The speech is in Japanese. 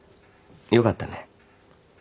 よかったね。